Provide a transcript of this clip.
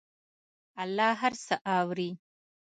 الله هر څه اوري.